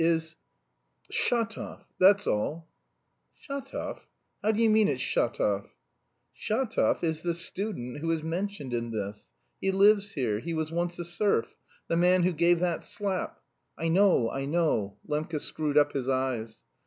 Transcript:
is Shatov... that's all." "Shatov? How do you mean it's Shatov?" "Shatov is the 'student' who is mentioned in this. He lives here, he was once a serf, the man who gave that slap...." "I know, I know." Lembke screwed up his eyes.